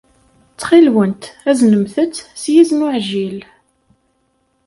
Ttxil-went, aznemt-t s yizen uɛjil.